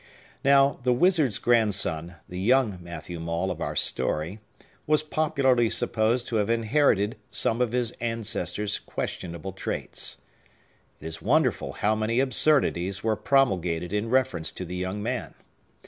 Now, the wizard's grandson, the young Matthew Maule of our story, was popularly supposed to have inherited some of his ancestor's questionable traits. It is wonderful how many absurdities were promulgated in reference to the young man.